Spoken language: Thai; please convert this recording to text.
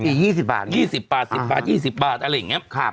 อีกยี่สิบบาทยี่สิบบาทสิบบาทยี่สิบบาทอะไรอย่างเงี้ยครับ